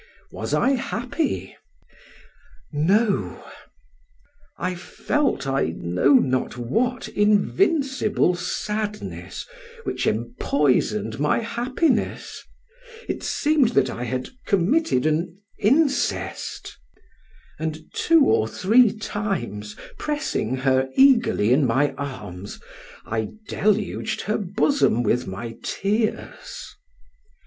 Was I happy? No: I felt I know not what invincible sadness which empoisoned my happiness, it seemed that I had committed an incest, and two or three times, pressing her eagerly in my arms, I deluged her bosom with my tears.